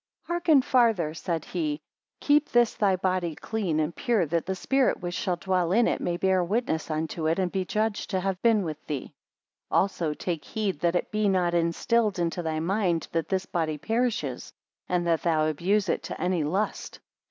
Hearken farther, said he: keep this thy body clean and pure, that the Spirit which shall dwell in it may bear witness unto it, and be judged to have been with thee. 59 Also take heed that it be not instilled into thy mind that this body perishes, and thou abuse it to any lust.